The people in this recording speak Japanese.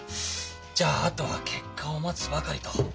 じゃああとは結果を待つばかりと。